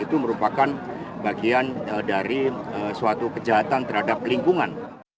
itu merupakan bagian dari suatu kejahatan terhadap lingkungan